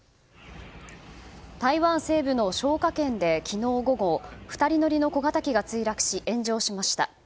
台湾西部のショウカ県で昨日午後２人乗りの小型機が墜落し炎上しました。